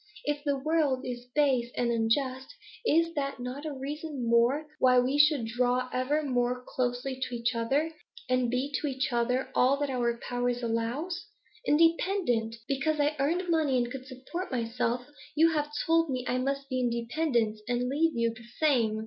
If the world is base and unjust, is not that a reason the more why we should draw ever more closely to each other, and be to each other all that our power allows? Independent! Because I earned money and could support myself, you have told me I must be independent, and leave you the same.